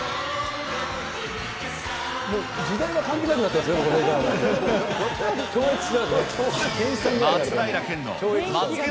もう時代が関係なくなっていますね。